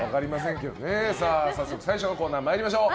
早速最初のコーナー参りましょう。